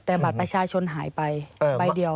แต่บัตรประชาชนหายไปใบเดียว